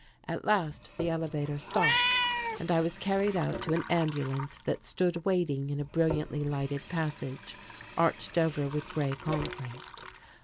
At last the elevator stopped and I was carried out to an ambulance that stood waiting in a brilliantly lighted passage arched over with grey concrete.